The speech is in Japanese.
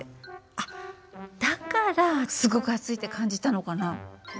あっだからすごく熱いって感じたのかな。